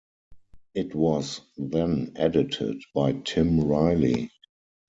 It was then edited by Tim Riley.